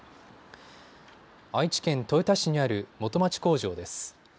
愛知県豊田市にある元町工場です。